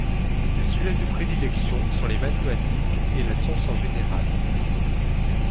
Ses sujets de prédilection sont les mathématiques et la science en général.